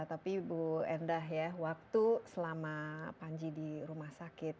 tapi ibu endah ya waktu selama panji di rumah sakit